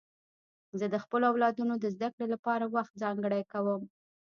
زه د خپلو اولادونو د زدهکړې لپاره وخت ځانګړی کوم.